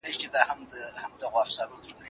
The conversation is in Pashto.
راغلی مه وای زما له هیواده